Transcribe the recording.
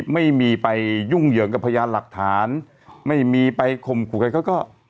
ไม่มีไปยุ่งเหยิงกับพยานหลักฐานไม่มีไปคมขู่กัน